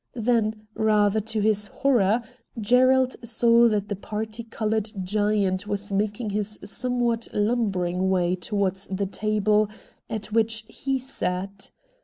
Then, rather to his horror, Gerald saw that the parti coloured giant was making his somewhat lumbering way towards the table at which he sat.